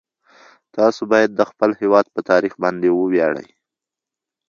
تاسو باید د خپل هیواد په تاریخ باندې وویاړئ.